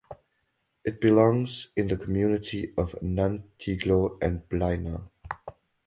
It belongs in the community of Nantyglo and Blaina.